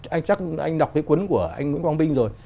anh chắc anh đọc cái cuốn của anh lê quang vinh rồi